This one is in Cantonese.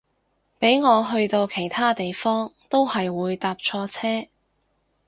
俾我去到其他地方都係會搭錯車